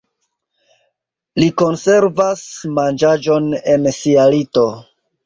Li konservas manĝaĵon en sia lito.